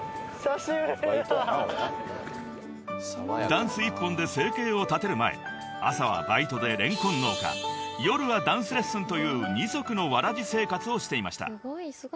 ［ダンス一本で生計を立てる前朝はバイトでレンコン農家夜はダンスレッスンという二足のわらじ生活をしていました］